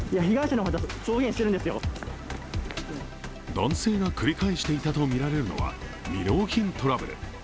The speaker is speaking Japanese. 男性が繰り返していたとみられるのは未納品トラブル。